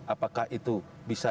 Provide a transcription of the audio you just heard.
apakah itu bisa